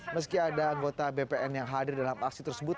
meski ada anggota bpn yang hadir dalam aksi tersebut